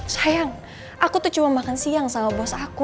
sayang aku tuh cuma makan siang sama bos aku